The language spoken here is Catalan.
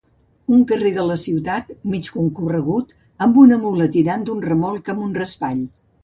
Un carrer de la ciutat mig concorregut amb una mula tirant d'un remolc amb un raspall.